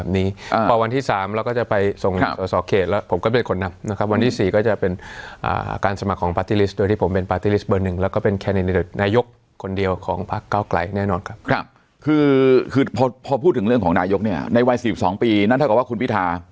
ในวัยสี่สิบสองปี